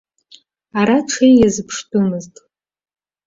Ара ҽеи иазыԥштәымызт.